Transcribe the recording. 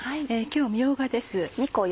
今日みょうがです。